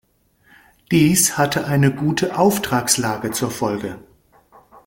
Dies hatte eine gute Auftragslage zur Folge.